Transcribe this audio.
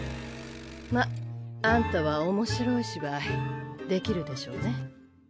まっあんたは面白い芝居できるでしょうね。